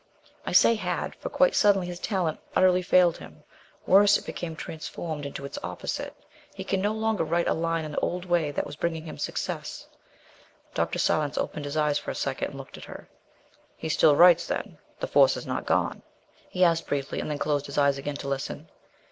I say 'had,' for quite suddenly his talent utterly failed him. Worse, it became transformed into its opposite. He can no longer write a line in the old way that was bringing him success " Dr. Silence opened his eyes for a second and looked at her. "He still writes, then? The force has not gone?" he asked briefly, and then closed his eyes again to listen.